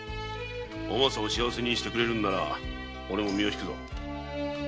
お政を幸せにしてくれるんならオレも身を引くぞ。